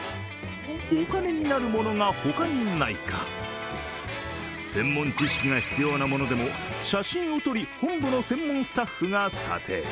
お金になるものが他にないか専門知識が必要なものでも写真を撮り本部の専門スタッフが査定。